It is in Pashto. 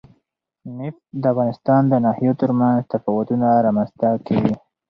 نفت د افغانستان د ناحیو ترمنځ تفاوتونه رامنځ ته کوي.